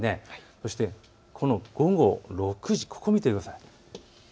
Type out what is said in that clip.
そして午後６時を見てください。